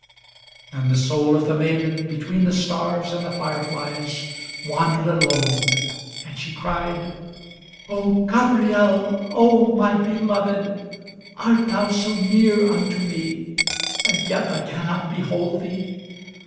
And the soul of the maiden, between the stars and the fire flies, Wandered alone, and she cried, "O Gabriel! O my beloved! Art thou so near unto me, and yet I cannot behold thee?